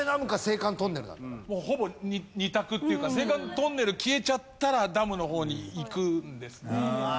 もうほぼ２択っていうか青函トンネル消えちゃったらダムの方にいくんです。